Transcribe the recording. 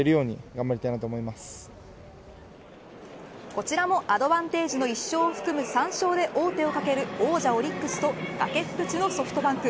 こちらもアドバンテージの１勝を含め３勝で王手をかける王者オリックスと崖っぷちのソフトバンク。